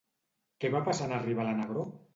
Què va passar en arribar la negror?